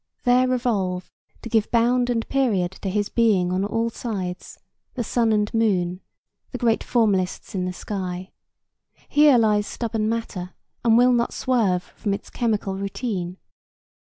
There revolve, to give bound and period to his being on all sides, the sun and moon, the great formalists in the sky: here lies stubborn matter, and will not swerve from its chemical routine.